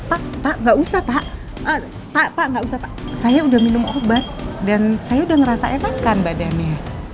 pak pak gak usah pak saya udah minum obat dan saya udah ngerasa enakan badannya